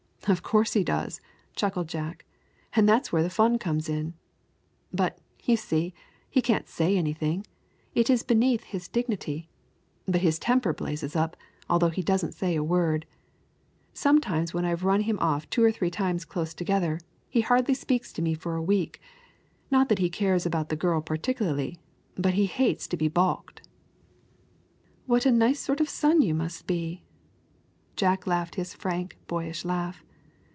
"Of course he does," chuckled Jack; "and that's where the fun comes in. But, you see, he can't say anything; it is beneath his dignity; but his temper blazes up, although he doesn't say a word. Sometimes, when I've run him off two or three times close together, he hardly speaks to me for a week not that he cares about the girl particularly, but he hates to be balked." "What a nice sort of a son you must be!" Jack laughed his frank, boyish laugh.